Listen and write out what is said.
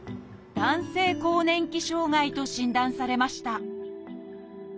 「男性更年期障害」と診断されました